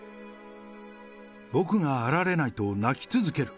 僕が現れないと鳴き続ける。